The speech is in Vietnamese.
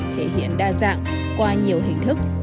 thể hiện đa dạng qua nhiều hình thức